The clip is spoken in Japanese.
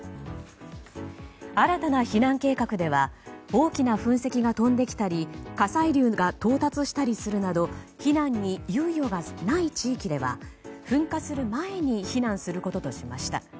新たな避難計画では大きな噴石が飛んできたり火砕流が到達したりするなど避難に猶予がない地域では噴火する前に避難することとしました。